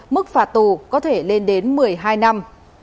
mức phạt tù có thể lên đến một mươi hai năm